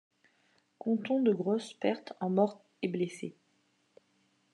Comptons de grosses pertes en morts et blessés.